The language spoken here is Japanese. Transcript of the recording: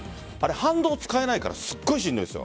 反動を使えないからすごくしんどいです。